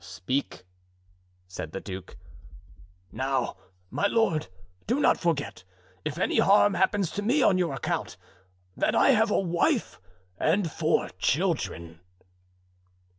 "Speak," said the duke. "Now, my lord, do not forget, if any harm happens to me on your account, that I have a wife and four children."